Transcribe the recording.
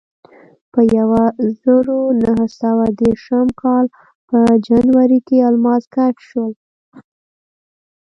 په یوه زرو نهه سوه دېرشم کال په جنورۍ کې الماس کشف شول.